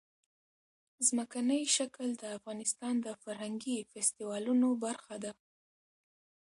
ځمکنی شکل د افغانستان د فرهنګي فستیوالونو برخه ده.